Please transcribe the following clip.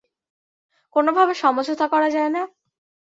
কোনোভাবে সমঝোতা করা যায় না?